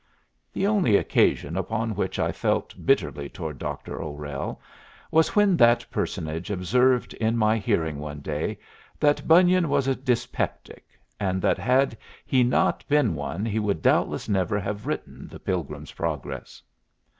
The only occasion upon which I felt bitterly toward Dr. O'Rell was when that personage observed in my hearing one day that Bunyan was a dyspeptic, and that had he not been one he would doubtless never have written the "Pilgrim's Progress."